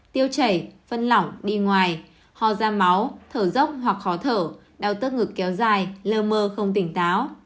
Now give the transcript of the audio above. tiêu chảy phân lỏng đi ngoài ho da máu thở dốc hoặc khó thở đau tức ngực kéo dài lơ mơ không tỉnh táo